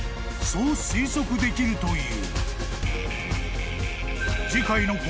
［そう推測できるという］